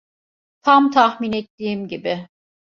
Tam tahmin ettiğim gibi.